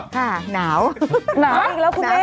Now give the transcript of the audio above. ค่ะหนาวหนาวอีกแล้วคุณแม่